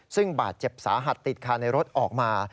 ซึ่งบาดเจ็บสาหัสติดคาในรถออกมา